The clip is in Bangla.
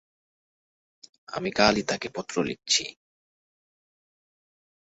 আমি কালই তাঁকে পত্র লিখছি।